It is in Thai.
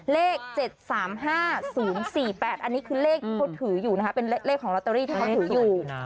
เลข๗๓๕๐๔๘อันนี้คือเลขที่เขาถืออยู่นะคะเป็นเลขของลอตเตอรี่ที่เขาถืออยู่